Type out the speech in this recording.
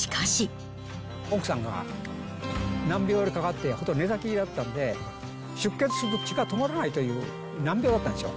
奥さんが、難病にかかって本当寝たきりだったんで、出血すると血が止まらないという難病だったんですよ。